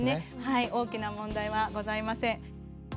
大きな問題はございません。